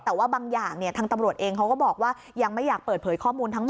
แต่ว่าบางอย่างทางตำรวจเองเขาก็บอกว่ายังไม่อยากเปิดเผยข้อมูลทั้งหมด